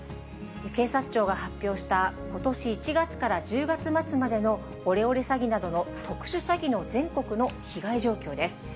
警察庁が発表した、ことし１月から１０月末までのオレオレ詐欺などの特殊詐欺の全国の被害状況です。